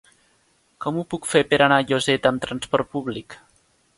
Com ho puc fer per anar a Lloseta amb transport públic?